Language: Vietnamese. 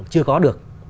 chưa có được